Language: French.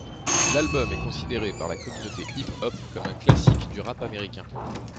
L'album est considéré par la communauté hip hop comme un classique du rap américain.